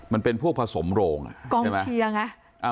มันเป็นพวกผสมโรงกองเชียร์ไง